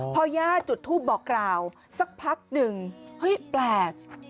พอย่าจุดทูปบอกกล่าวสักพักหนึ่งเฮ้ยแปลก